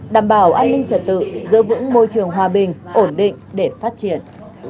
đảm bảo an ninh trật tự giữ vững môi trường hòa bình ổn định để phát triển